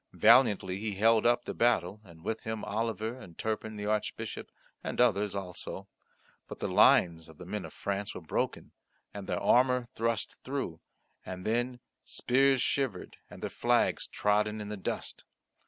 Valiantly he held up the battle, and with him Oliver, and Turpin the Archbishop, and others also; but the lines of the men of France were broken, and their armour thrust through, and then: spears shivered, and their flags trodden in the dust.